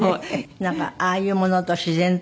なんかああいうものと自然と。